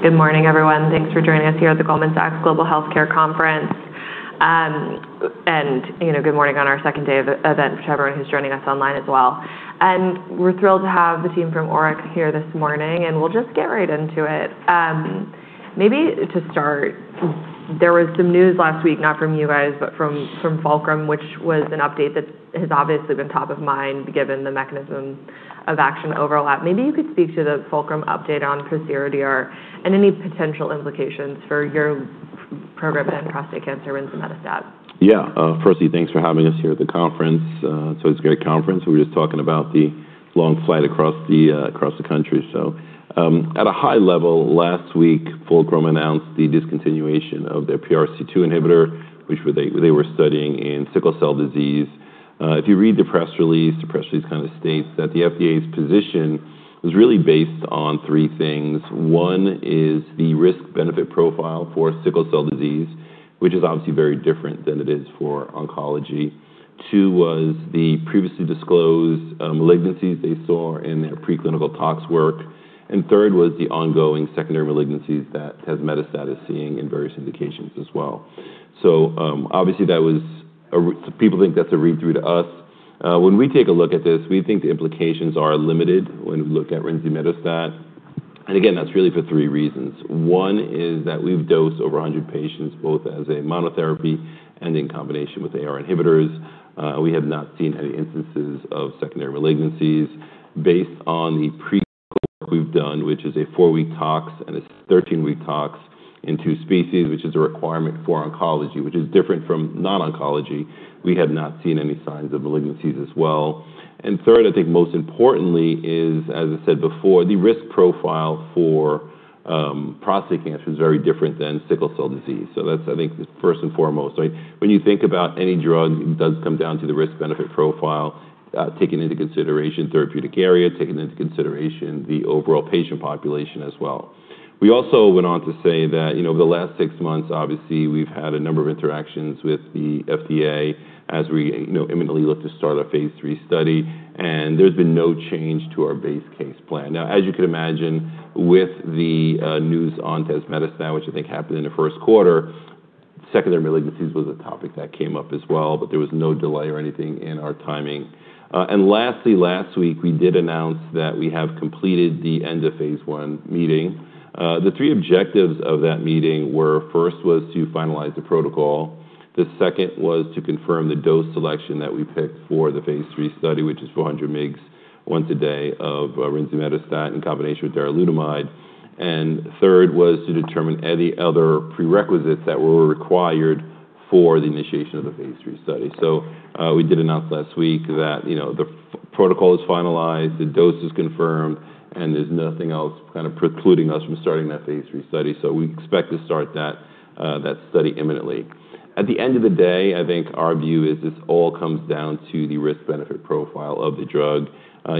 Good morning, everyone. Thanks for joining us here at the Goldman Sachs Global Healthcare Conference. Good morning on our second day of the event for everyone who's joining us online as well. We're thrilled to have the team from ORIC here this morning, and we'll just get right into it. Maybe to start, there was some news last week, not from you guys, but from Fulcrum, which was an update that has obviously been top of mind given the mechanism of action overlap. Maybe you could speak to the Fulcrum update on pociredir and any potential implications for your program in prostate cancer rinzimetostat. Yeah. Firstly, thanks for having us here at the conference. It's a great conference. We were just talking about the long flight across the country. At a high level, last week, Fulcrum announced the discontinuation of their PRC2 inhibitor, which they were studying in sickle cell disease. If you read the press release, the press release kind of states that the FDA's position was really based on three things. One is the risk-benefit profile for sickle cell disease, which is obviously very different than it is for oncology. Two was the previously disclosed malignancies they saw in their preclinical tox work. Third was the ongoing secondary malignancies that tazemetostat is seeing in various indications as well. People think that's a read-through to us. When we take a look at this, we think the implications are limited when we look at rinzimetostat. Again, that's really for three reasons. One is that we've dosed over 100 patients, both as a monotherapy and in combination with AR inhibitors. We have not seen any instances of secondary malignancies based on the preclinical work we've done, which is a four-week tox and a 13-week tox in two species, which is a requirement for oncology, which is different from non-oncology. We have not seen any signs of malignancies as well. Third, I think most importantly is, as I said before, the risk profile for prostate cancer is very different than sickle cell disease. That's, I think, first and foremost. When you think about any drug, it does come down to the risk-benefit profile, taking into consideration therapeutic area, taking into consideration the overall patient population as well. We also went on to say that over the last six months, obviously, we've had a number of interactions with the FDA as we imminently look to start our phase III study, and there's been no change to our base case plan. Now, as you can imagine, with the news on tazemetostat, which I think happened in the first quarter, secondary malignancies was a topic that came up as well, but there was no delay or anything in our timing. Lastly, last week, we did announce that we have completed the end of phase I meeting. The three objectives of that meeting were, first, was to finalize the protocol. The second was to confirm the dose selection that we picked for the phase III study, which is 400 mgs once a day of rinzimetostat in combination with darolutamide. Third was to determine any other prerequisites that were required for the initiation of the phase III study. We did announce last week that the protocol is finalized, the dose is confirmed, and there's nothing else precluding us from starting that phase III study. We expect to start that study imminently. At the end of the day, I think our view is this all comes down to the risk-benefit profile of the drug.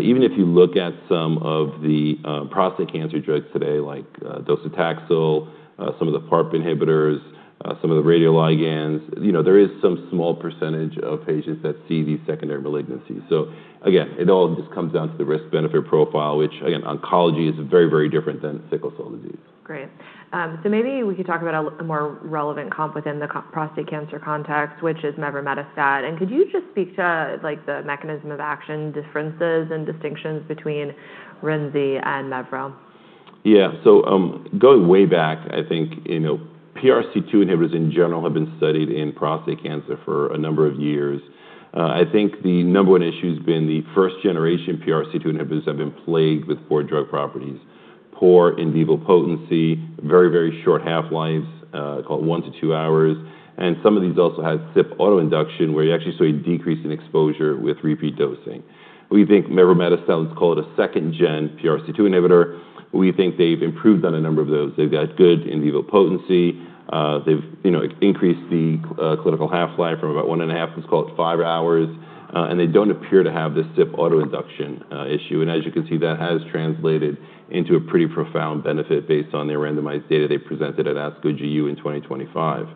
Even if you look at some of the prostate cancer drugs today, like docetaxel, some of the PARP inhibitors, some of the radioligands, there is some small percentage of patients that see these secondary malignancies. Again, it all just comes down to the risk-benefit profile, which again, oncology is very, very different than sickle cell disease. Great. Maybe we could talk about a more relevant comp within the prostate cancer context, which is mevrometostat. Could you just speak to the mechanism of action differences and distinctions between rinzi and mevro? Yeah. Going way back, I think PRC2 inhibitors, in general, have been studied in prostate cancer for a number of years. I think the number one issue's been the first-generation PRC2 inhibitors have been plagued with poor drug properties, poor in vivo potency, very, very short half-lives, call it one to two hours, and some of these also had CYP autoinduction, where you actually saw a decrease in exposure with repeat dosing. We think mevrometostat is called a second-gen PRC2 inhibitor. We think they've improved on a number of those. They've got good in vivo potency. They've increased the clinical half-life from about one and a half, let's call it five hours, and they don't appear to have this CYP autoinduction issue. As you can see, that has translated into a pretty profound benefit based on their randomized data they presented at ASCO GU in 2025.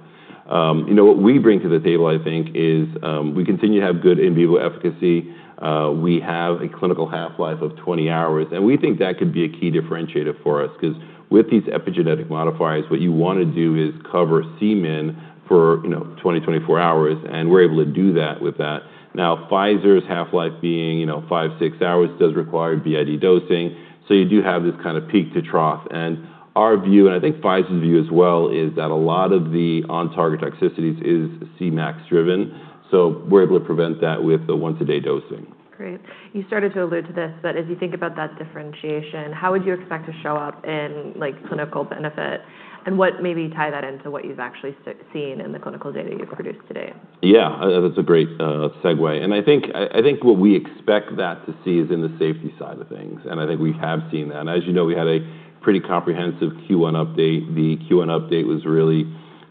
What we bring to the table, I think, is we continue to have good in vivo efficacy. We have a clinical half-life of 20 hours, and we think that could be a key differentiator for us because with these epigenetic modifiers, what you want to do is cover system for 20, 24 hours, and we're able to do that with that. Pfizer's half-life being five, six hours does require BID dosing, so you do have this kind of peak to trough. Our view, and I think Pfizer's view as well, is that a lot of the on-target toxicities is Cmax driven, so we're able to prevent that with the once-a-day dosing. Great. You started to allude to this, as you think about that differentiation, how would you expect to show up in clinical benefit, and what maybe tie that into what you've actually seen in the clinical data you've produced to date? Yeah, that's a great segue. I think what we expect that to see is in the safety side of things, and I think we have seen that. As you know, we had a pretty comprehensive Q1 update.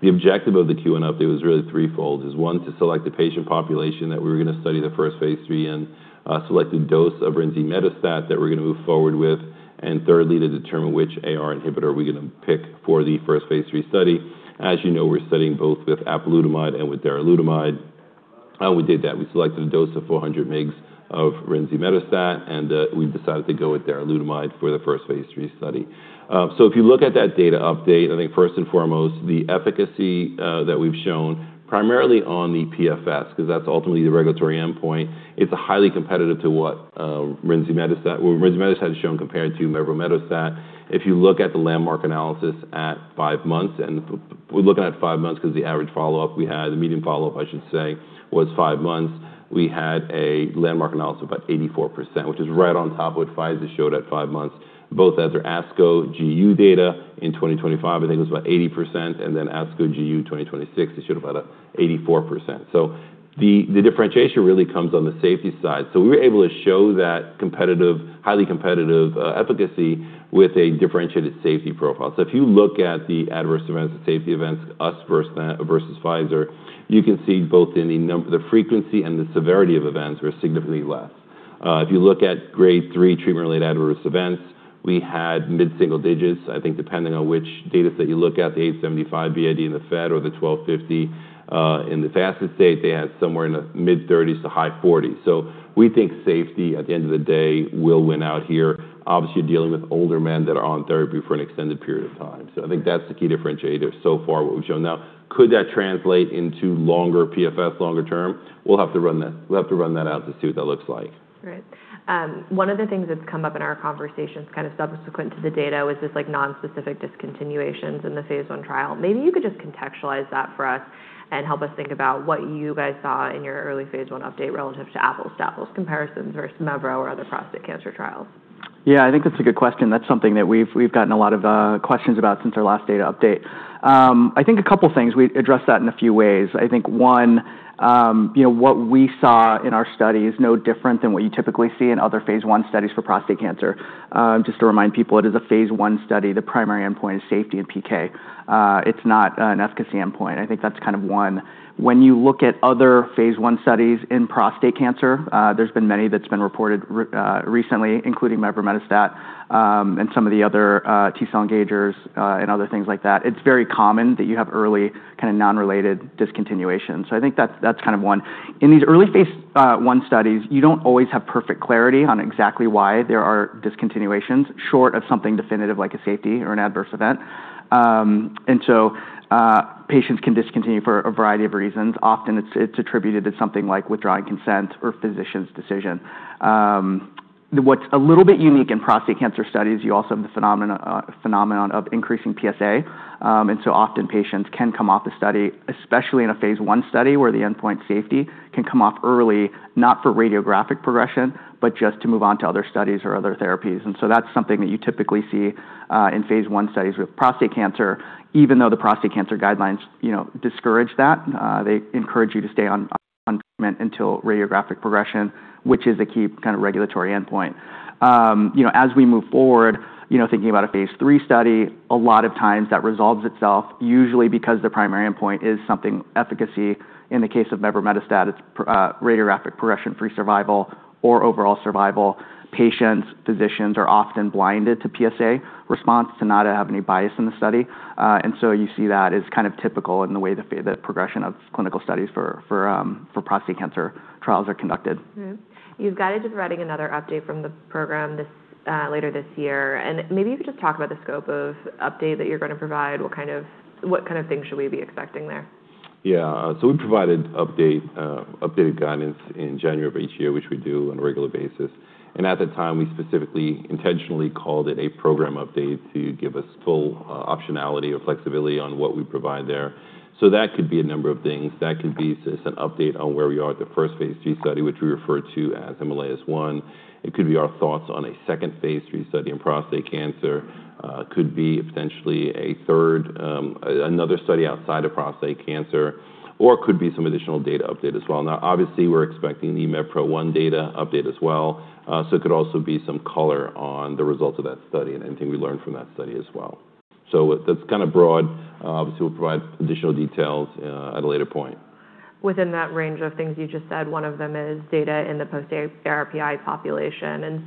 The objective of the Q1 update was really threefold, is one, to select the patient population that we were going to study the first phase III in, select the dose of rinzimetostat that we're going to move forward with, and thirdly, to determine which AR inhibitor are we going to pick for the first phase III study. As you know, we're studying both with apalutamide and with darolutamide. We did that. We selected a dose of 400 mg of rinzimetostat, and we've decided to go with darolutamide for the first phase III study. If you look at that data update, I think first and foremost, the efficacy that we've shown primarily on the PFS, because that's ultimately the regulatory endpoint, it's highly competitive to what rinzimetostat has shown compared to mevrometostat. If you look at the landmark analysis at five months, and we're looking at five months because the average follow-up we had, the median follow-up, I should say, was five months. We had a landmark analysis about 84%, which is right on top of what Pfizer showed at five months, both as their ASCO GU data in 2025, I think it was about 80%, and then ASCO GU 2026, they showed about 84%. The differentiation really comes on the safety side. We were able to show that highly competitive efficacy with a differentiated safety profile. If you look at the adverse events and safety events, us versus Pfizer, you can see both in the frequency and the severity of events were significantly less. If you look at Grade 3 treatment-related adverse events, we had mid-single digits, I think, depending on which data set you look at, the 875 BID in the fed or the 1250. In the fastest state, they had somewhere in the mid-30s to high 40s. We think safety, at the end of the day, will win out here. Obviously, you're dealing with older men that are on therapy for an extended period of time. I think that's the key differentiator so far what we've shown. Now, could that translate into longer PFS longer term? We'll have to run that out to see what that looks like. Right. One of the things that's come up in our conversations subsequent to the data was this non-specific discontinuations in the phase I trial. Maybe you could just contextualize that for us and help us think about what you guys saw in your early phase I update relative to apples-to-apples comparisons versus mevro or other prostate cancer trials. I think that's a good question. That's something that we've gotten a lot of questions about since our last data update. A couple things. We addressed that in a few ways. One, what we saw in our study is no different than what you typically see in other phase I studies for prostate cancer. Just to remind people, it is a phase I study. The primary endpoint is safety and PK. It's not an efficacy endpoint. I think that's one. When you look at other phase I studies in prostate cancer, there's been many that's been reported recently, including mevrometostat, and some of the other T-cell engagers, and other things like that. It's very common that you have early non-related discontinuation. I think that's one. In these early phase I studies, you don't always have perfect clarity on exactly why there are discontinuations short of something definitive like a safety or an adverse event. Patients can discontinue for a variety of reasons. Often it's attributed to something like withdrawing consent or physician's decision. What's a little bit unique in prostate cancer studies, you also have the phenomenon of increasing PSA, and often patients can come off the study, especially in a phase I study where the endpoint safety can come off early, not for radiographic progression, but just to move on to other studies or other therapies. That's something that you typically see in phase I studies with prostate cancer, even though the prostate cancer guidelines discourage that. They encourage you to stay on treatment until radiographic progression, which is a key regulatory endpoint. As we move forward, thinking about a phase III study, a lot of times that resolves itself, usually because the primary endpoint is something efficacy. In the case of mevrometostat, it's radiographic progression-free survival or overall survival. Patients, physicians are often blinded to PSA response to not have any bias in the study. You see that as typical in the way the progression of clinical studies for prostate cancer trials are conducted. You've guided to providing another update from the program later this year. Maybe you could just talk about the scope of update that you're going to provide. What kind of things should we be expecting there? Yeah. We provided updated guidance in January of each year, which we do on a regular basis. At the time, we specifically intentionally called it a program update to give us full optionality or flexibility on what we provide there. That could be a number of things. That could be just an update on where we are at the first phase III study, which we refer to as Himalayas-1. It could be our thoughts on a second phase III study in prostate cancer, could be potentially a third, another study outside of prostate cancer, or could be some additional data update as well. Obviously, we're expecting the MEVPRO-1 data update as well. It could also be some color on the results of that study and anything we learned from that study as well. That's broad. Obviously, we'll provide additional details at a later point. Within that range of things you just said, one of them is data in the post-ARPI population,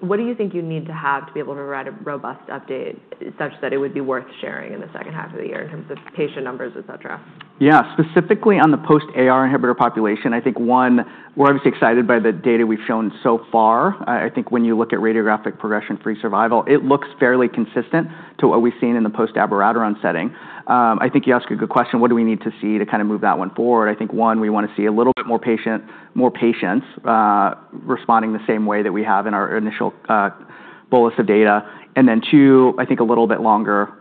what do you think you need to have to be able to write a robust update such that it would be worth sharing in the second half of the year in terms of patient numbers, et cetera? Yeah. Specifically on the post-AR inhibitor population, I think, one, we're obviously excited by the data we've shown so far. I think when you look at radiographic progression-free survival, it looks fairly consistent to what we've seen in the post-abiraterone setting. I think you ask a good question, what do we need to see to move that one forward? I think, one, we want to see a little bit more patients responding the same way that we have in our initial bolus of data. Two, I think a little bit longer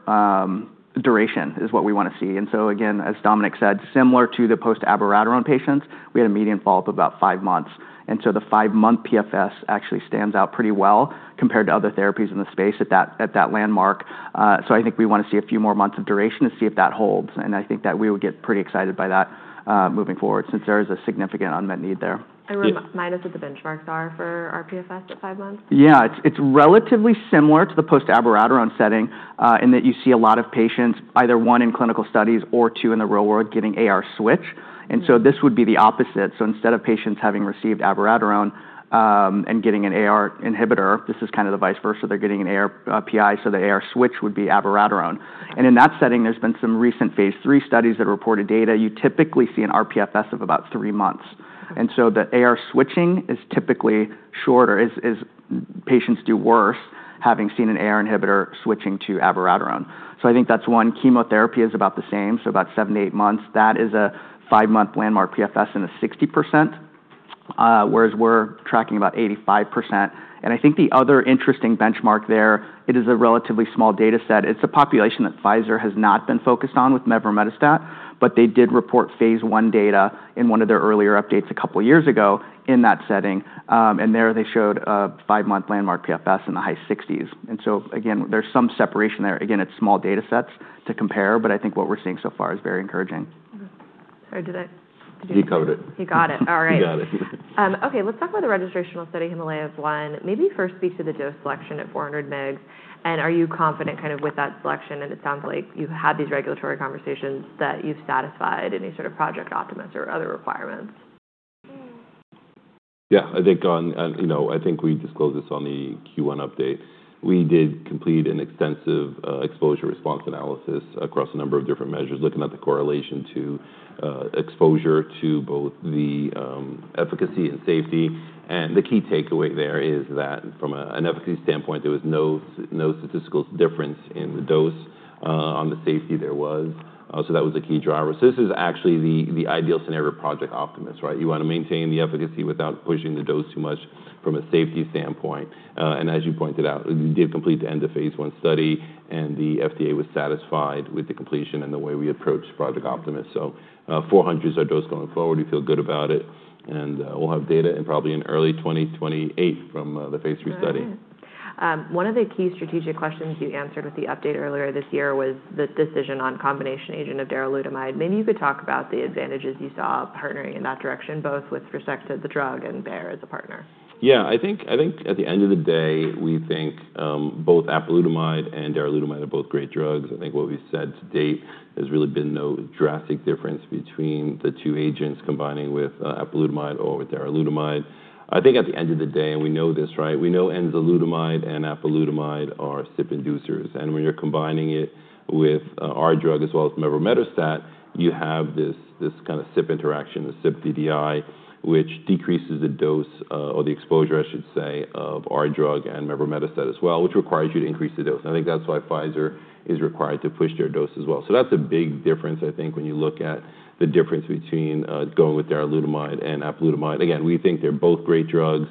duration is what we want to see. Again, as Dominic said, similar to the post-abiraterone patients, we had a median follow-up of about five months. The five-month PFS actually stands out pretty well compared to other therapies in the space at that landmark. I think we want to see a few more months of duration to see if that holds, and I think that we would get pretty excited by that moving forward, since there is a significant unmet need there. Remind us what the benchmarks are for RPFS at five months? Yeah. It's relatively similar to the post-abiraterone setting, in that you see a lot of patients, either one in clinical studies or two in the real world getting AR switch. This would be the opposite. Instead of patients having received abiraterone and getting an AR inhibitor, this is the vice versa. They're getting an ARPI, the AR switch would be abiraterone. In that setting, there's been some recent phase III studies that reported data. You typically see an RPFS of about three months. The AR switching is typically shorter, patients do worse having seen an AR inhibitor switching to abiraterone. I think that's one. Chemotherapy is about the same, about seven to eight months. That is a five-month landmark PFS and a 60%, whereas we're tracking about 85%. I think the other interesting benchmark there, it is a relatively small data set. It's a population that Pfizer has not been focused on with mevrometostat, but they did report phase I data in one of their earlier updates a couple of years ago in that setting. There they showed a five-month landmark PFS in the high 60s. Again, there's some separation there. Again, it's small data sets to compare, but I think what we're seeing so far is very encouraging. Mm-hmm. Sorry, did I? You covered it. You got it. All right. You got it. Let's talk about the registrational study, Himalayas-1. Maybe first speak to the dose selection at 400 mg, are you confident with that selection? It sounds like you had these regulatory conversations that you've satisfied any sort of Project Optimus or other requirements. I think we disclosed this on the Q1 update. We did complete an extensive exposure response analysis across a number of different measures, looking at the correlation to exposure to both the efficacy and safety, and the key takeaway there is that from an efficacy standpoint, there was no statistical difference in the dose. On the safety, there was, so that was a key driver. This is actually the ideal scenario of Project Optimus, right? You want to maintain the efficacy without pushing the dose too much from a safety standpoint. As you pointed out, we did complete the end of phase I study, and the FDA was satisfied with the completion and the way we approached Project Optimus. 400 is our dose going forward. We feel good about it, we'll have data in probably in early 2028 from the phase III study. All right. One of the key strategic questions you answered with the update earlier this year was the decision on combination agent of darolutamide. Maybe you could talk about the advantages you saw partnering in that direction, both with respect to the drug and Bayer as a partner. I think at the end of the day, we think both apalutamide and darolutamide are both great drugs. I think what we've said to date, there's really been no drastic difference between the two agents combining with apalutamide or with darolutamide. I think at the end of the day, and we know this, right? We know enzalutamide and apalutamide are CYP inducers, and when you're combining it with our drug as well as mevrometostat, you have this kind of CYP interaction, the CYP3A4, which decreases the dose or the exposure, I should say, of our drug and mevrometostat as well, which requires you to increase the dose, and I think that's why Pfizer is required to push their dose as well. That's a big difference, I think when you look at the difference between going with darolutamide and apalutamide. Again, we think they're both great drugs.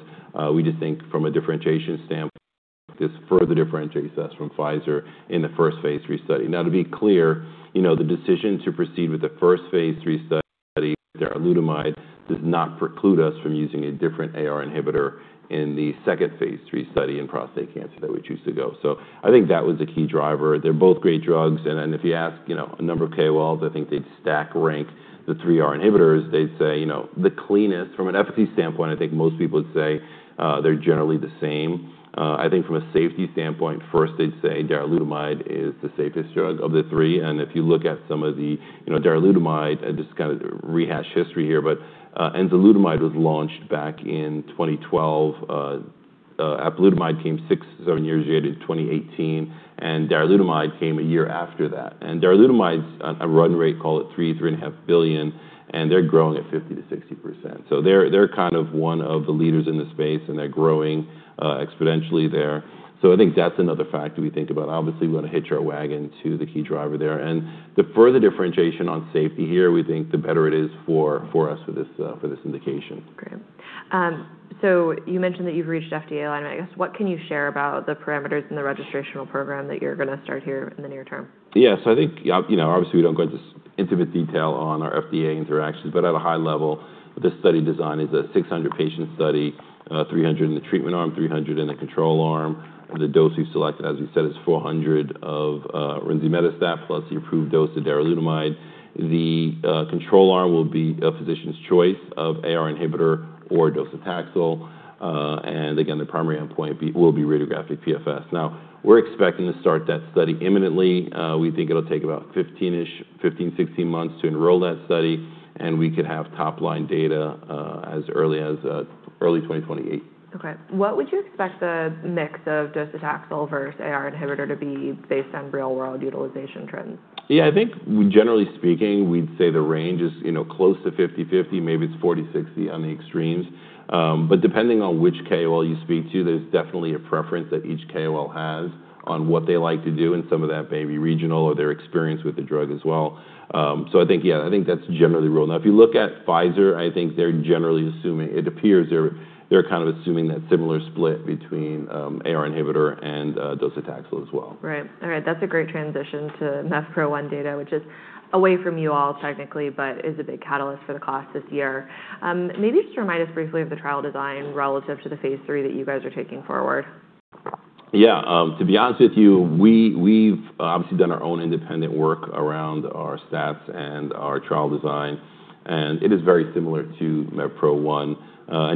We just think from a differentiation standpoint, this further differentiates us from Pfizer in the first phase III study. Now to be clear, the decision to proceed with the first phase III study darolutamide does not preclude us from using a different AR inhibitor in the second phase III study in prostate cancer that we choose to go. I think that was a key driver. They're both great drugs, and if you ask a number of KOLs, I think they'd stack rank the three AR inhibitors. They'd say, the cleanest from an efficacy standpoint, I think most people would say, they're generally the same. I think from a safety standpoint, first they'd say darolutamide is the safest drug of the three, and if you look at some of the darolutamide, just to rehash history here, but enzalutamide was launched back in 2012. Apalutamide came six, seven years later in 2018, and darolutamide came a year after that. Darolutamide's run rate, call it $3 billion-$3.5 billion, and they're growing at 50%-60%. They're one of the leaders in the space, and they're growing exponentially there. I think that's another factor we think about. Obviously, we want to hitch our wagon to the key driver there, and the further differentiation on safety here, we think the better it is for us for this indication. Great. You mentioned that you've reached FDA alignment. I guess, what can you share about the parameters in the registrational program that you're going to start here in the near term? I think, obviously, we don't go into intimate detail on our FDA interactions. At a high level, this study design is a 600-patient study, 300 in the treatment arm, 300 in the control arm. The dose we selected, as we said, is 400 of rinzimetostat plus the approved dose of darolutamide. The control arm will be a physician's choice of AR inhibitor or docetaxel. Again, the primary endpoint will be radiographic PFS. We're expecting to start that study imminently. We think it'll take about 15, 16 months to enroll that study, and we could have top-line data as early as early 2028. Okay. What would you expect the mix of docetaxel versus AR inhibitor to be based on real-world utilization trends? I think generally speaking, we'd say the range is close to 50/50, maybe it's 40/60 on the extremes. Depending on which KOL you speak to, there's definitely a preference that each KOL has on what they like to do, and some of that may be regional or their experience with the drug as well. I think that's generally real. If you look at Pfizer, I think they're generally assuming, it appears they're kind of assuming that similar split between AR inhibitor and docetaxel as well. Right. All right. That's a great transition to MEVPRO-1 data, which is away from you all technically, is a big catalyst for the class this year. Maybe just remind us briefly of the trial design relative to the phase III that you guys are taking forward.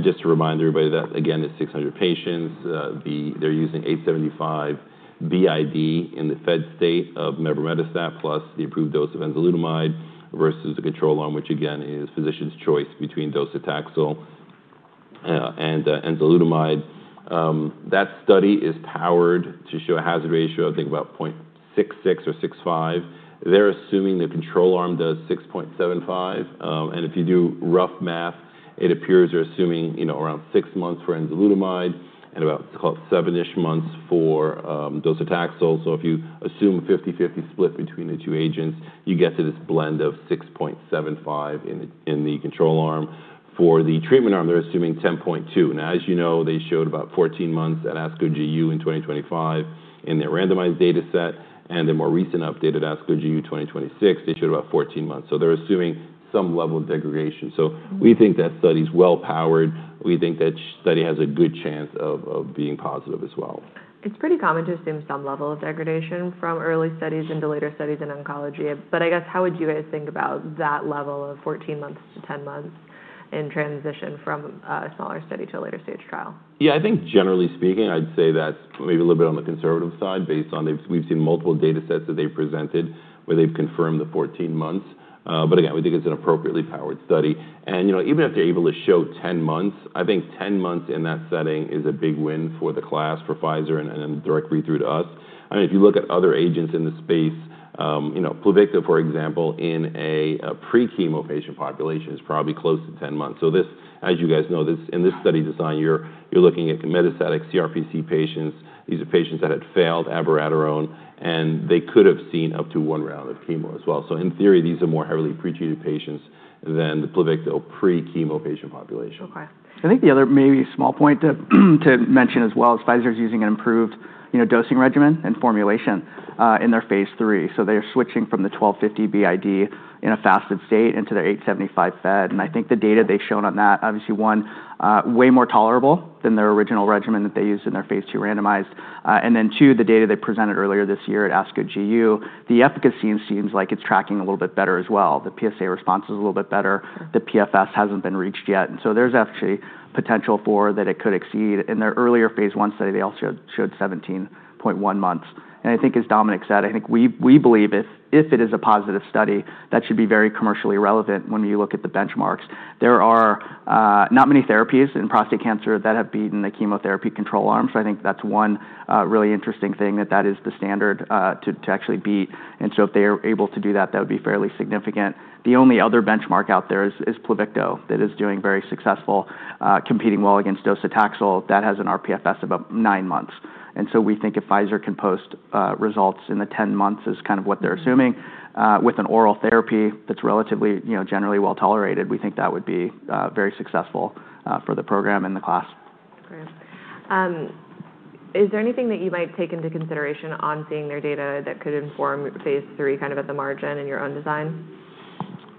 Just to remind everybody that, again, it's 600 patients. They're using 875 BID in the fed state of mevrometostat plus the approved dose of enzalutamide versus the control arm, which again, is physician's choice between docetaxel and enzalutamide. That study is powered to show a hazard ratio of about 0.66 or 0.65. They're assuming the control arm does 6.75. If you do rough math, it appears they're assuming around six months for enzalutamide and about seven-ish months for docetaxel. If you assume 50/50 split between the two agents, you get to this blend of 6.75 in the control arm. For the treatment arm, they're assuming 10.2. Now, as you know, they showed about 14 months at ASCO GU in 2025 in their randomized data set. The more recent updated ASCO GU 2026, they showed about 14 months. They're assuming some level of degradation. We think that study is well-powered. We think that study has a good chance of being positive as well. It's pretty common to assume some level of degradation from early studies into later studies in oncology. I guess, how would you guys think about that level of 14 months to 10 months in transition from a smaller study to a later-stage trial? I think generally speaking, I'd say that's maybe a little bit on the conservative side based on we've seen multiple data sets that they presented where they've confirmed the 14 months. Again, we think it's an appropriately powered study. Even if they're able to show 10 months, I think 10 months in that setting is a big win for the class, for Pfizer, and then directly through to us. If you look at other agents in the space, Pluvicto, for example, in a pre-chemo patient population is probably close to 10 months. This, as you guys know, in this study design, you're looking at metastatic CRPC patients. These are patients that had failed abiraterone, and they could have seen up to one round of chemo as well. So in theory, these are more heavily pre-treated patients than the Pluvicto pre-chemo patient population. Okay. I think the other maybe small point to mention as well is Pfizer is using an improved dosing regimen and formulation in their phase III. They are switching from the 1,250 BID in a fasted state into their 875 fed. I think the data they've shown on that, obviously, one, way more tolerable than their original regimen that they used in their phase II randomized. Two, the data they presented earlier this year at ASCO GU, the efficacy seems like it's tracking a little bit better as well. The PSA response is a little bit better. The PFS hasn't been reached yet, and so there's actually potential for that it could exceed. In their earlier phase I study, they all showed 17.1 months. I think as Dominic said, I think we believe if it is a positive study, that should be very commercially relevant when you look at the benchmarks. There are not many therapies in prostate cancer that have beaten the chemotherapy control arm. I think that's one really interesting thing, that that is the standard to actually beat. If they are able to do that would be fairly significant. The only other benchmark out there is Pluvicto that is doing very successful, competing well against docetaxel, that has an RPFS of about nine months. We think if Pfizer can post results in the 10 months is what they're assuming, with an oral therapy that's relatively generally well-tolerated, we think that would be very successful for the program and the class. Great. Is there anything that you might take into consideration on seeing their data that could inform phase III at the margin in your own design?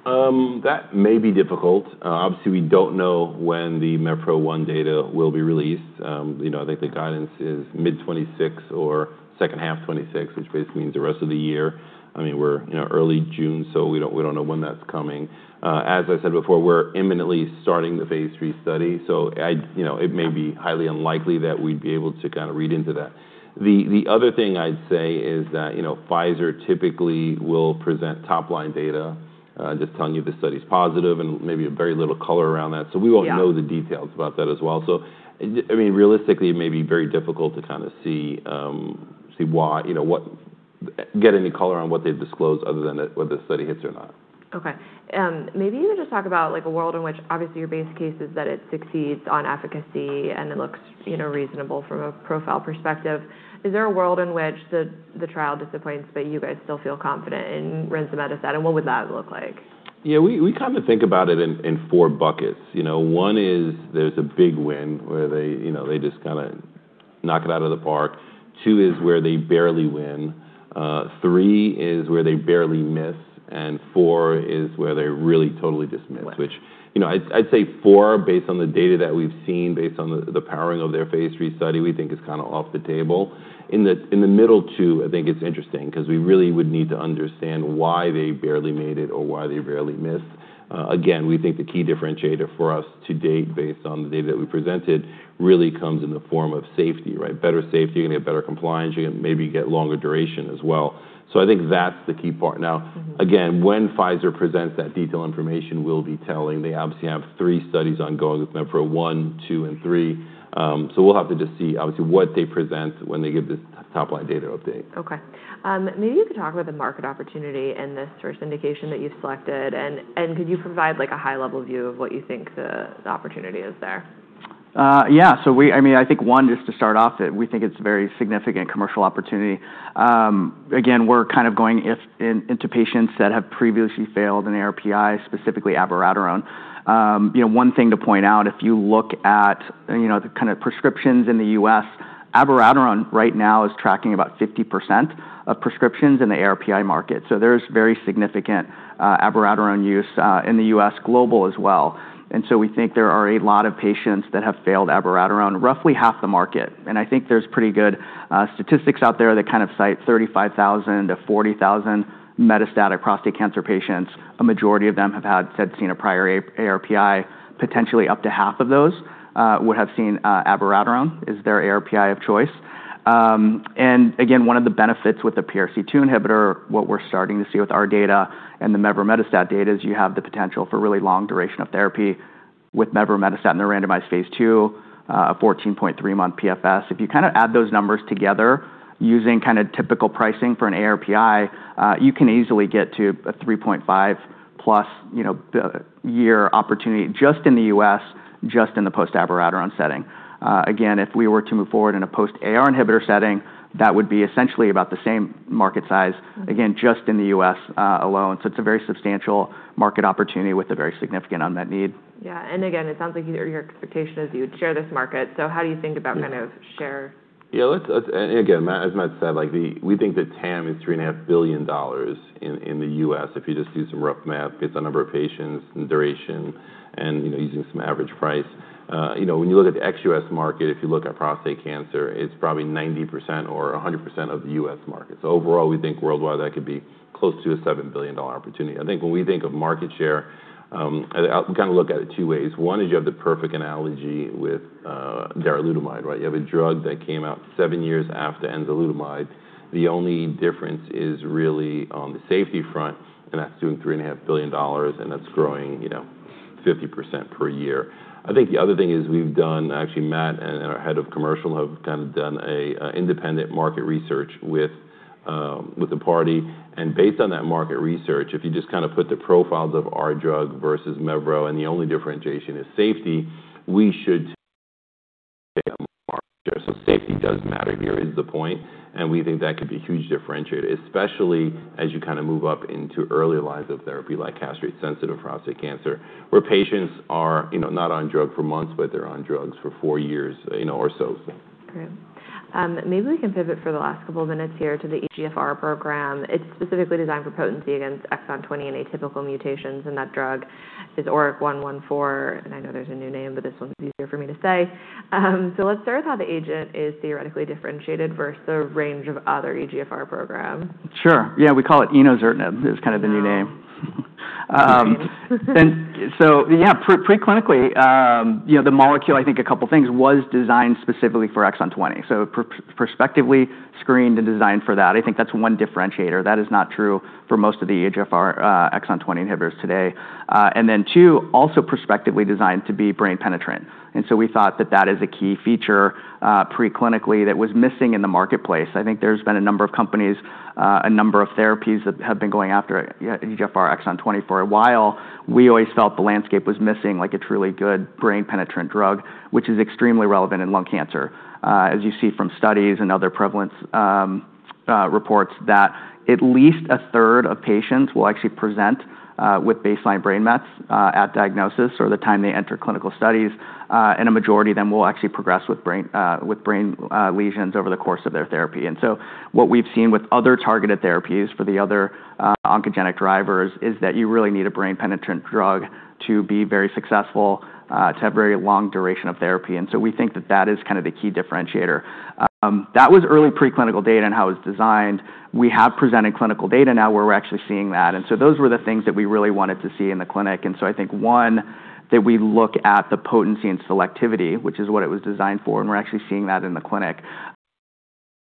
That may be difficult. Obviously, we don't know when the MEVPRO-1 data will be released. I think the guidance is mid 2026 or second half 2026, which basically means the rest of the year. We're early June, we don't know when that's coming. As I said before, we're imminently starting the phase III study, it may be highly unlikely that we'd be able to read into that. The other thing I'd say is that Pfizer typically will present top-line data, just telling you if the study's positive and maybe a very little color around that. We won't know. Yeah the details about that as well. Realistically, it may be very difficult to get any color on what they've disclosed other than whether the study hits or not. Okay. Maybe even just talk about a world in which obviously your base case is that it succeeds on efficacy and it looks reasonable from a profile perspective. Is there a world in which the trial disappoints, but you guys still feel confident in rinzimetostat, and what would that look like? Yeah. We think about it in four buckets. One is there's a big win where they just knock it out of the park. Two is where they barely win. Three is where they barely miss, and four is where they really totally just miss. Right. Which I'd say four, based on the data that we've seen, based on the powering of their phase III study, we think is off the table. In the middle two, I think it's interesting because we really would need to understand why they barely made it or why they barely missed. Again, we think the key differentiator for us to date based on the data that we presented really comes in the form of safety, right? Better safety, you're going to get better compliance, you're going to maybe get longer duration as well. I think that's the key part. Now, again, when Pfizer presents that detailed information, we'll be telling. They obviously have three studies ongoing with MEVPRO-1, two, and three. We'll have to just see, obviously, what they present when they give this top-line data update. Maybe you could talk about the market opportunity and this first indication that you've selected, and could you provide a high-level view of what you think the opportunity is there? I think, one, just to start off, we think it's a very significant commercial opportunity. Again, we're going into patients that have previously failed an ARPi, specifically abiraterone. One thing to point out, if you look at the prescriptions in the U.S., abiraterone right now is tracking about 50% of prescriptions in the ARPi market. There's very significant abiraterone use in the U.S., global as well. We think there are a lot of patients that have failed abiraterone, roughly half the market. I think there's pretty good statistics out there that cite 35,000 to 40,000 metastatic prostate cancer patients. A majority of them have had seen a prior ARPi. Potentially up to half of those would have seen abiraterone as their ARPi of choice. Again, one of the benefits with the PRC2 inhibitor, what we're starting to see with our data and the mevrometostat data, is you have the potential for really long duration of therapy with mevrometostat in the randomized phase II, a 14.3-month PFS. If you add those numbers together using typical pricing for an ARPI, you can easily get to a 3.5-plus year opportunity just in the U.S., just in the post-abiraterone setting. Again, if we were to move forward in a post AR inhibitor setting, that would be essentially about the same market size, again, just in the U.S. alone. It's a very substantial market opportunity with a very significant unmet need. It sounds like your expectation is you would share this market. How do you think about share? Again, as Matt said, we think that TAM is $3.5 billion in the U.S. if you just do some rough math based on number of patients and duration, and using some average price. When you look at the ex-U.S. market, if you look at prostate cancer, it's probably 90% or 100% of the U.S. market. Overall, we think worldwide, that could be close to a $7 billion opportunity. When we think of market share, we look at it two ways. One is you have the perfect analogy with darolutamide, right? You have a drug that came out seven years after enzalutamide. The only difference is really on the safety front, and that's doing $3.5 billion, and that's growing 50% per year. The other thing is we've done, actually Matt and our head of commercial have done an independent market research with a party, and based on that market research, if you just put the profiles of our drug versus mevro, and the only differentiation is safety, we should take that market share. Safety does matter here is the point, and we think that could be huge differentiator, especially as you move up into early lines of therapy, like castrate-sensitive prostate cancer, where patients are not on drug for months, but they're on drugs for four years or so. Maybe we can pivot for the last couple minutes here to the EGFR program. It's specifically designed for potency against exon 20 and atypical mutations, and that drug is enozertinib, and I know there's a new name, but this one's easier for me to say. Let's start with how the agent is theoretically differentiated versus the range of other EGFR program. We call it enosertinib, is the new name. Wow. Yeah, pre-clinically, the molecule, I think a couple things, was designed specifically for exon 20. Prospectively screened and designed for that. I think that's one differentiator. That is not true for most of the EGFR exon 20 inhibitors today. Two, also prospectively designed to be brain penetrant. We thought that that is a key feature pre-clinically that was missing in the marketplace. I think there's been a number of companies, a number of therapies that have been going after EGFR exon 20 for a while. We always felt the landscape was missing a truly good brain penetrant drug, which is extremely relevant in lung cancer. As you see from studies and other prevalence reports that at least a third of patients will actually present with baseline brain mets at diagnosis or the time they enter clinical studies, and a majority of them will actually progress with brain lesions over the course of their therapy. What we've seen with other targeted therapies for the other oncogenic drivers is that you really need a brain penetrant drug to be very successful, to have very long duration of therapy. We think that that is the key differentiator. That was early pre-clinical data and how it was designed. We have presented clinical data now where we're actually seeing that. Those were the things that we really wanted to see in the clinic. I think, one, that we look at the potency and selectivity, which is what it was designed for, and we're actually seeing that in the clinic.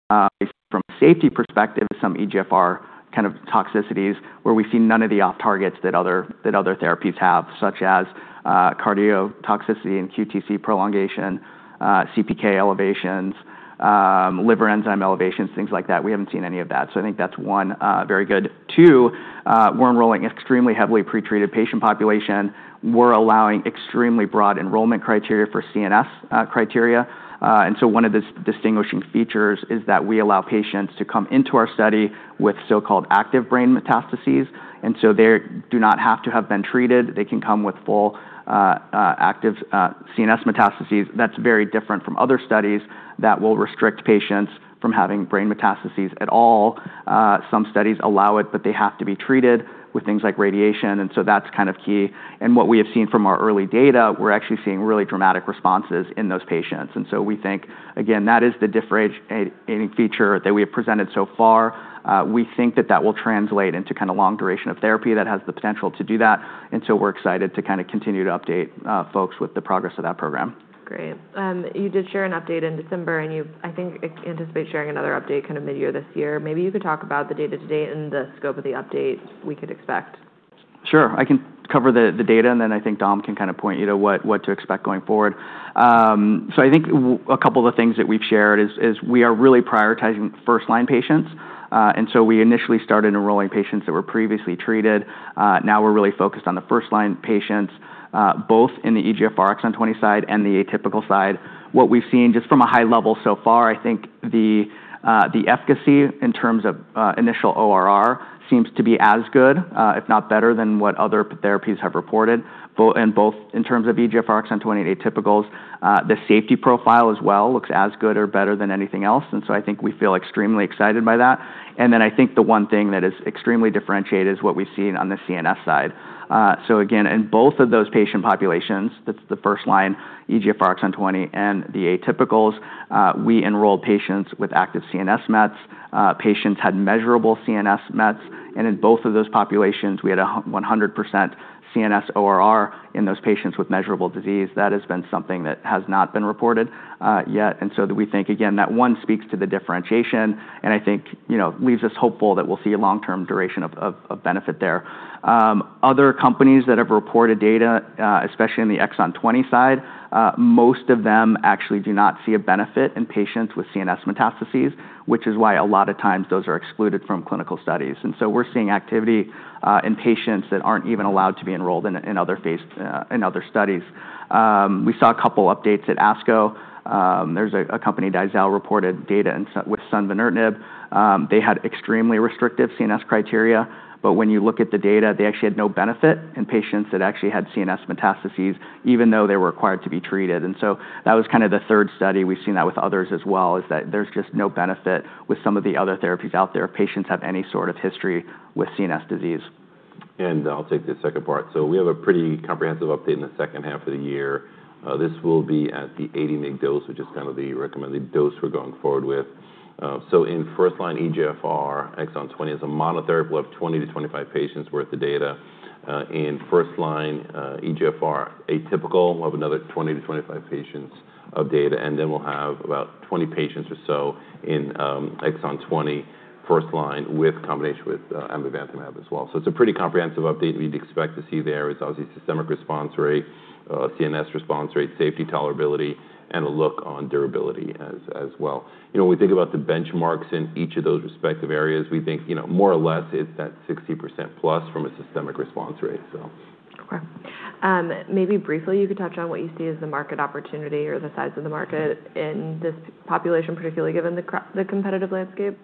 From a safety perspective, some EGFR toxicities where we see none of the off targets that other therapies have, such as cardiotoxicity and QTc prolongation, CPK elevations, liver enzyme elevations, things like that. We haven't seen any of that. I think that's one, very good. Two, we're enrolling extremely heavily pretreated patient population. We're allowing extremely broad enrollment criteria for CNS criteria. One of the distinguishing features is that we allow patients to come into our study with so-called active brain metastases. They do not have to have been treated. They can come with full active CNS metastases. That's very different from other studies that will restrict patients from having brain metastases at all. Some studies allow it, but they have to be treated with things like radiation. That's key. What we have seen from our early data, we're actually seeing really dramatic responses in those patients. We think, again, that is the differentiating feature that we have presented so far. We think that that will translate into long duration of therapy that has the potential to do that. We're excited to continue to update folks with the progress of that program. Great. You did share an update in December, you, I think, anticipate sharing another update mid-year this year. Maybe you could talk about the data to date and the scope of the update we could expect. Sure. I can cover the data, then I think Dom can point you to what to expect going forward. I think a couple of things that we've shared is we are really prioritizing first-line patients. We initially started enrolling patients that were previously treated. Now we're really focused on the first-line patients, both in the EGFR exon 20 side and the atypical side. What we've seen just from a high level so far, I think the efficacy in terms of initial ORR seems to be as good, if not better than what other therapies have reported, in both in terms of EGFR exon 20 atypicals. The safety profile as well looks as good or better than anything else, I think we feel extremely excited by that. Then I think the one thing that is extremely differentiated is what we've seen on the CNS side. Again, in both of those patient populations, that's the first-line EGFR exon 20 and the atypicals, we enrolled patients with active CNS mets. Patients had measurable CNS mets, and in both of those populations, we had 100% CNS ORR in those patients with measurable disease. That has been something that has not been reported yet. We think, again, that one speaks to the differentiation, and I think leaves us hopeful that we'll see a long-term duration of benefit there. Other companies that have reported data, especially in the exon 20 side, most of them actually do not see a benefit in patients with CNS metastases, which is why a lot of times those are excluded from clinical studies. We're seeing activity in patients that aren't even allowed to be enrolled in other studies. We saw a couple updates at ASCO. There's a company, Dizal, reported data with sunvozertinib. They had extremely restrictive CNS criteria, when you look at the data, they actually had no benefit in patients that actually had CNS metastases, even though they were required to be treated. That was the third study. We've seen that with others as well, is that there's just no benefit with some of the other therapies out there if patients have any sort of history with CNS disease. I'll take the second part. We have a pretty comprehensive update in the second half of the year. This will be at the 80 mg dose, which is kind of the recommended dose we're going forward with. In first-line EGFR exon 20 as a monotherapy, we'll have 20 to 25 patients worth of data. In first-line EGFR atypical, we'll have another 20 to 25 patients of data, and then we'll have about 20 patients or so in exon 20 first line with combination with amivantamab as well. It's a pretty comprehensive update we'd expect to see there. It's obviously systemic response rate, CNS response rate, safety tolerability, and a look on durability as well. When we think about the benchmarks in each of those respective areas, we think more or less it's that 60% plus from a systemic response rate. Okay. Maybe briefly, you could touch on what you see as the market opportunity or the size of the market in this population, particularly given the competitive landscape.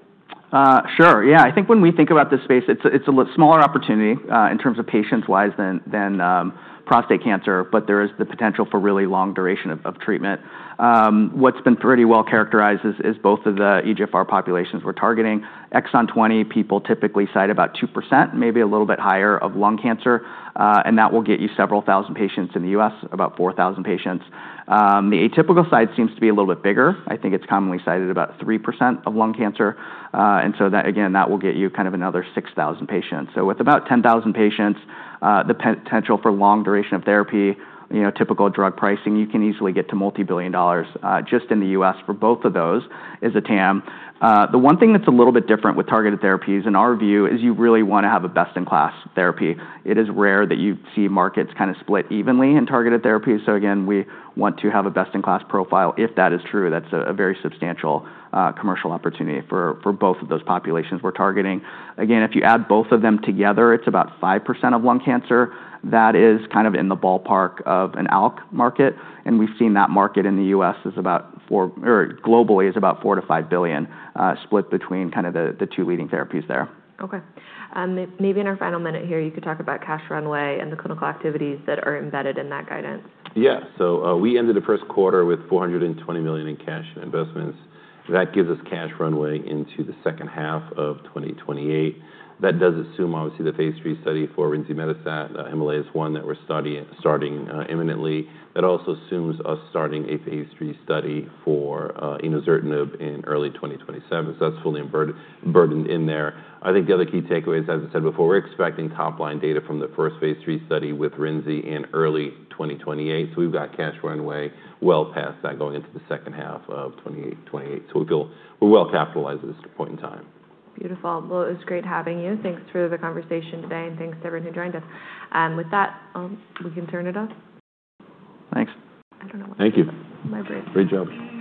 Sure. Yeah. I think when we think about this space, it's a smaller opportunity in terms of patients-wise than prostate cancer, but there is the potential for really long duration of treatment. What's been pretty well characterized is both of the EGFR populations we're targeting. Exon 20 people typically cite about 2%, maybe a little bit higher of lung cancer, and that will get you several thousand patients in the U.S., about 4,000 patients. The atypical side seems to be a little bit bigger. I think it's commonly cited about 3% of lung cancer. That, again, that will get you kind of another 6,000 patients. With about 10,000 patients, the potential for long duration of therapy, typical drug pricing, you can easily get to multi-billion dollars, just in the U.S. for both of those as a TAM. The one thing that's a little bit different with targeted therapies in our view is you really want to have a best-in-class therapy. It is rare that you see markets kind of split evenly in targeted therapies. Again, we want to have a best-in-class profile. If that is true, that's a very substantial commercial opportunity for both of those populations we're targeting. Again, if you add both of them together, it's about 5% of lung cancer. That is kind of in the ballpark of an ALK market, and we've seen that market globally is about $4 billion-$5 billion, split between kind of the two leading therapies there. Okay. Maybe in our final minute here, you could talk about cash runway and the clinical activities that are embedded in that guidance. Yeah. We ended the first quarter with $420 million in cash and investments. That gives us cash runway into the second half of 2028. That does assume, obviously, the phase III study for rinzimetostat, the Himalayas-1 that we're starting imminently. That also assumes us starting a phase III study for enosertinib in early 2027. That's fully burdened in there. I think the other key takeaway is, as I said before, we're expecting top-line data from the first phase III study with rinzi in early 2028. We've got cash runway well past that going into the second half of 2028. We're well capitalized at this point in time. Beautiful. Well, it was great having you. Thanks for the conversation today, and thanks to everyone who joined us. With that, we can turn it off. Thanks. I don't know what- Thank you my brain. Great job.